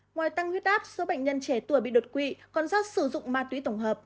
ngoài tăng huyết áp số bệnh nhân trẻ tuổi bị đột quỵ còn do sử dụng ma túy tổng hợp